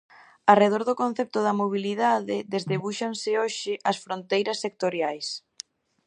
Arredor do concepto da mobilidade, desdebúxanse hoxe as fronteiras sectoriais.